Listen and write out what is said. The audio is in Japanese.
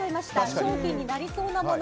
商品になりそうなもの